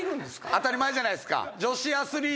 当たり前じゃないですか。